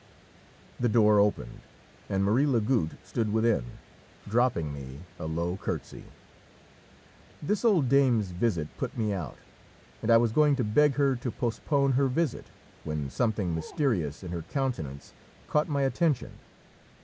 The door opened, and Marie Lagoutte stood within, dropping me a low curtsey. This old dame's visit put me out, and I was going to beg her to postpone her visit, when something mysterious in her countenance caught my attention.